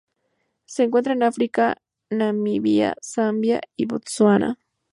Se encuentran en África: Namibia, Zambia y Botsuana.